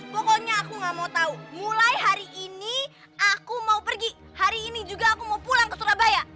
pokoknya aku gak mau tahu mulai hari ini aku mau pergi hari ini juga aku mau pulang ke surabaya